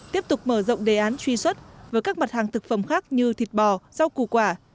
tiếp tục mở rộng đề án truy xuất với các mặt hàng thực phẩm khác như thịt bò rau củ quả